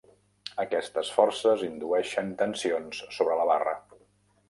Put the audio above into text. Aquestes forces indueixen tensions sobre la barra.